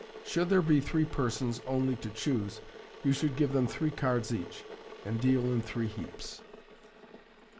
Should there be three persons only to choose, you should give them three cards each j and deal in three heaps.